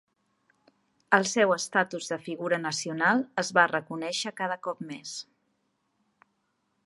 El seu estatus de figura nacional es va reconèixer cada cop més.